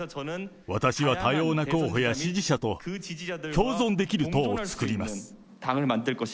私は多様な候補や支持者と共存できる党を作ります。